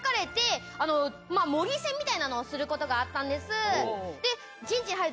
みたいなのをすることがあったんです。